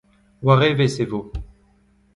War evezh e vo.